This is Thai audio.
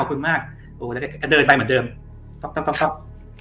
ลุงก็เดินไปเหมือนเดิม